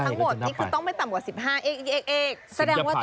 นี้คือต้องไม่ต่ำกว่า๑๕